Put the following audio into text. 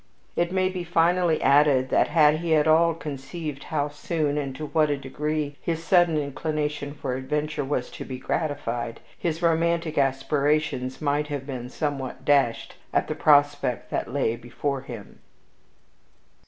It might be finally added that, had he at all conceived how soon and to what a degree his sudden inclination for adventure was to be gratified, his romantic aspirations might have been somewhat dashed at the prospect that lay before him.